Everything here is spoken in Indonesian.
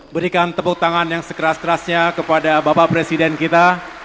berikan tepuk tangan yang sekeras kerasnya kepada bapak presiden kita